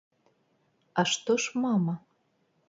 А што ж мама?